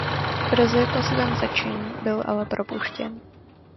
Brzy po svém zatčení byl ale propuštěn.